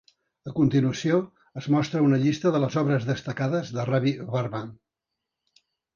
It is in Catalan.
A continuació es mostra una llista de les obres destacades de Ravi Varma.